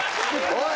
おい！